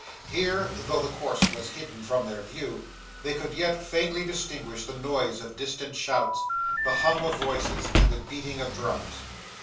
Here, though the course was hidden from their view, they could yet faintly distinguish the noise of distant shouts, the hum of voices, and the beating of drums.